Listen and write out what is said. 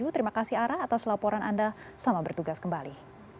terima kasih arah atas laporan anda selamat bertugas kembali